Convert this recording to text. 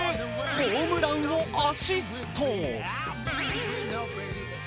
ホームランをアシスト。